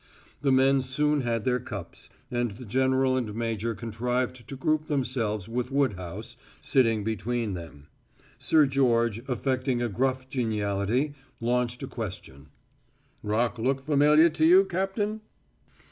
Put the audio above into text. The men soon had their cups, and the general and major contrived to group themselves with Woodhouse sitting between them. Sir George, affecting a gruff geniality, launched a question: "Rock look familiar to you, Captain?"